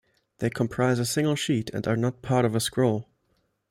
They comprise a single sheet and are not part of a scroll.